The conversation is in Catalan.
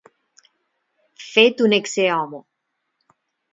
Fet un eccehomo.